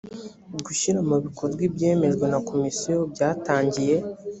gushyira mu bikorwa ibyemejwe nakomisiyo byatangiye.